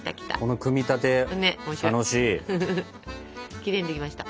きれいにできました。